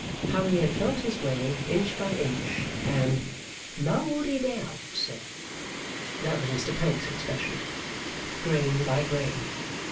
How he had felt his way inch by inch, and 'Moled it out, sir' (that was Mr Pancks's expression), grain by grain.